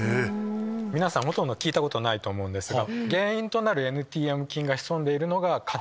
皆さんほとんど聞いたことないと思うんですが。